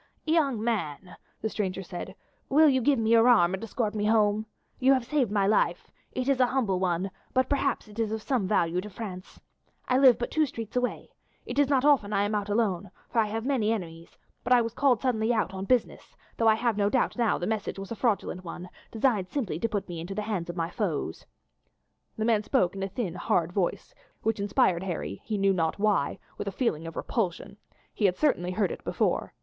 "Young man," the stranger said, "will you give me your arm and escort me home? You have saved my life; it is a humble one, but perhaps it is of some value to France. I live but two streets away. It is not often I am out alone, for I have many enemies, but I was called suddenly out on business, though I have no doubt now the message was a fraudulent one, designed simply to put me into the hands of my foes." The man spoke in a thin hard voice, which inspired Harry, he knew not why, with a feeling of repulsion; he had certainly heard it before.